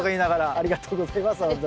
ありがとうございますほんとに。